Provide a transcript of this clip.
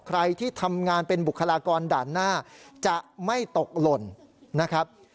ใครที่ทำงานเป็นบุคลากรด่านหน้าจะไม่ตกหล่นนะครับ